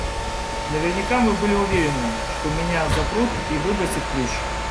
Наверняка вы были уверены, что меня запрут и выбросят ключ.